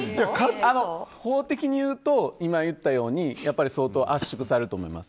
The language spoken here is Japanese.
法的に言うと、今言ったように相当、圧縮されると思います。